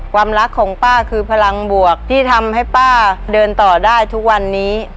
ความรักของป้าคือพลังบวกที่ทำให้ป้าเดินต่อได้ทุกวันนี้